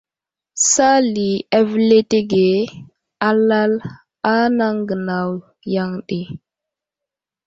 Sali avəletege alal a anaŋ gənaw yaŋ ɗi.